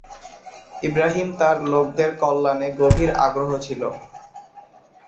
ইবরাহিম তাঁর লোকদের কল্যাণে গভীর আগ্রহ ছিল।